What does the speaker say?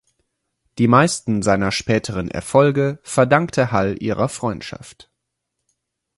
Die meisten seiner späteren Erfolge verdankte Hall ihrer Freundschaft.